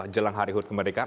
jelang hari huruf kemerdekaan